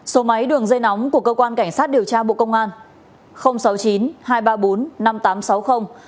số máy đường dây nóng của cơ quan cảnh sát điều tra bộ công an